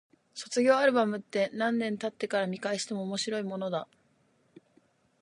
卒業アルバムって、何年経ってから見返しても面白いものだ。